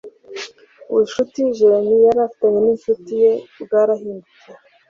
ubucuti jeremy yari a tanye n incuti ye bwarahindutse.